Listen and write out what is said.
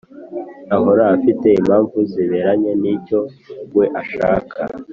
ahora afite impamvu ziberanye n’icyo we ashaka.